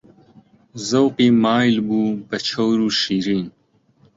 زەوقی مایل بوو بە چەور و شیرین